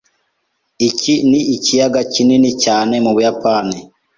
Iki ni ikiyaga kinini cyane mu Buyapani.